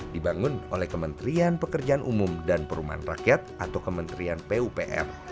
dibangun oleh kementerian pekerjaan umum dan perumahan rakyat atau kementerian pupr